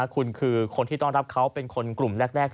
คุณคือคนที่ต้อนรับเขาเป็นคนกลุ่มแรก